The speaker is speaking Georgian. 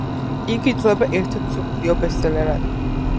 იგი ითვლება ერთ-ერთ მსოფლიო ბესტსელერად.